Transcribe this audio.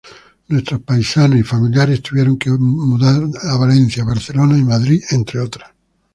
Nuestros paisanos y familiares, tuvieron que mudar a Valencia, Barcelona y Madrid, entre otras.